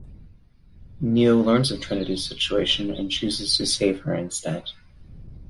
Neo learns of Trinity's situation and chooses to save her instead.